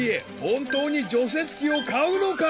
本当に除雪機を買うのか？］